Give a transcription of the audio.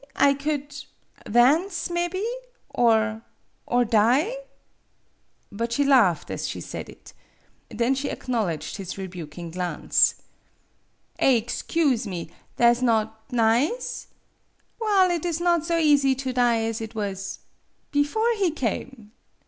I could dance, mebby, or or die?". But she laughed as she said it. Then she acknowledged his rebuking glance. " 4 excuse me, tha' 's not nize? Well, MADAME BUTTERFLY 55 it is not so easy to die as it was bifore he came."